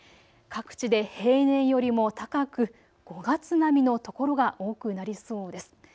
各地で平年よりも高く５月並みの所が多くなりそうです。